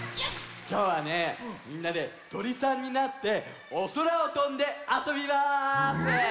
きょうはねみんなでとりさんになっておそらをとんであそびます。